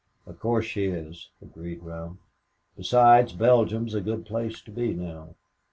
"Of course she is," agreed Ralph. "Besides, Belgium's a good place to be now.